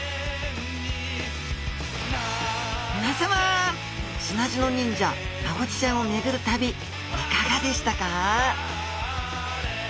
皆さま砂地の忍者マゴチちゃんを巡る旅いかがでしたか？